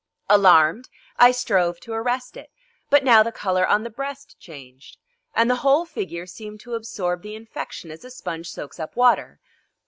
Alarmed, I strove to arrest it, but now the colour on the breast changed and the whole figure seemed to absorb the infection as a sponge soaks up water.